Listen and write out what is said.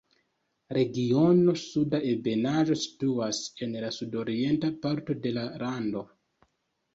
Regiono Suda Ebenaĵo situas en la sudorienta parto de la lando.